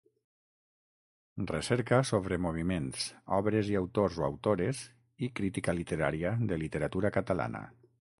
Recerca sobre moviments, obres i autors o autores i crítica literària de literatura catalana.